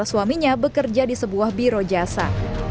suaminya bekerja di sebuah biro jasa